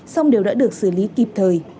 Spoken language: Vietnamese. xong đều đã được xử lý kịp thời